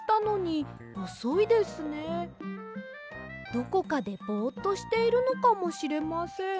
どこかでボっとしているのかもしれません。